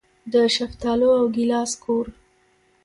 د شفتالو او ګیلاس کور.